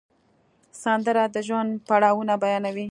سندره د ژوند پړاوونه بیانوي